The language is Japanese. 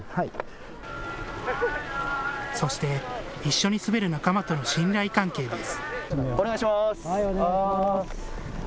そして一緒に滑る仲間との信頼関係です。